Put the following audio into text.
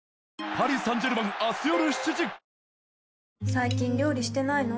最近料理してないの？